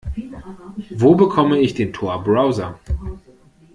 Wo bekomme ich den Tor-Browser?